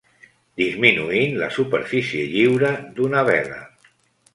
Disminuint la superfície lliure d'una vela.